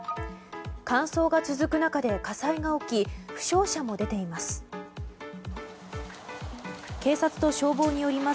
乾燥が続く中で火災が起き負傷者も出ています。